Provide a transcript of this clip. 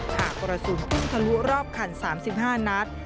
หากกระสุนพุ่งทะลุรอบคัน๓๕นัด